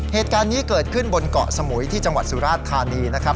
เหตุการณ์นี้เกิดขึ้นบนเกาะสมุยที่จังหวัดสุราชธานีนะครับ